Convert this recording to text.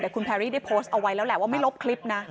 แต่คุณแพรรี่ได้โพสต์เอาไว้แล้วแหละว่าไม่ลบคลิปนะ